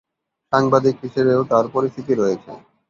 সাংবাদিক হিসেবেও তার পরিচিতি রয়েছে।